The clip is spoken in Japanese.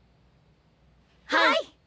はい！